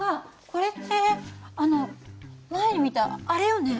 これって前に見たあれよね？